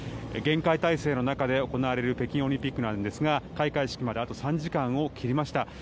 厳戒態勢の中で行われる北京オリンピックですが開会式まであと３時間を切りました。